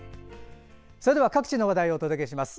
それでは各地の話題をお届けします。